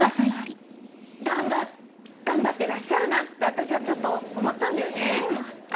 でも何か頑張ってらっしゃるなと私はちょっと思ったんだよね。